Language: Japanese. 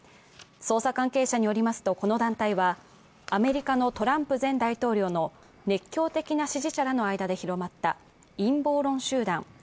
捜査関係者によりますとこの団体はアメリカのトランプ前大統領の熱狂的な支持者らの間で広まった陰謀論集団